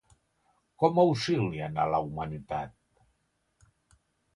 Com auxilien a la humanitat?